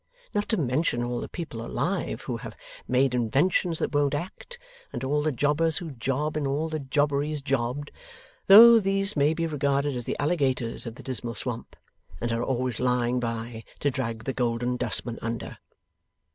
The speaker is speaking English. Not to mention all the people alive who have made inventions that won't act, and all the jobbers who job in all the jobberies jobbed; though these may be regarded as the Alligators of the Dismal Swamp, and are always lying by to drag the Golden Dustman under.